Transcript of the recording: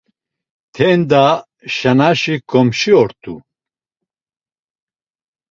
Tenda, Şanaşi ǩomşi ort̆u.